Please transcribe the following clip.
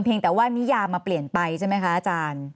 แต่ว่านิยามาเปลี่ยนไปใช่ไหมคะอาจารย์